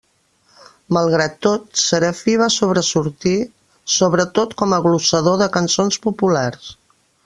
Malgrat tot, Serafí va sobresortir sobretot com a glossador de cançons populars.